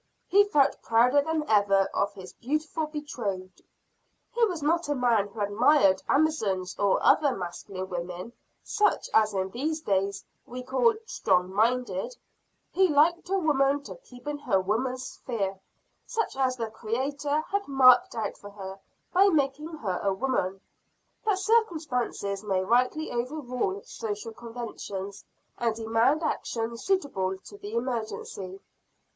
He felt prouder than ever of his beautiful betrothed. He was not a man who admired amazons or other masculine women, such, as in these days, we call "strong minded;" he liked a woman to keep in her woman's sphere, such as the Creator had marked out for her by making her a woman; but circumstances may rightly overrule social conventions, and demand action suitable to the emergency.